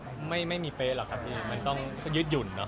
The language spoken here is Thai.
เป๊ะเปออาจจะไม่มีเป๊ะหรอครับมันต้องยึดหยุ่นนะ